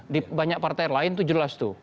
di banyak partai lain itu jelas tuh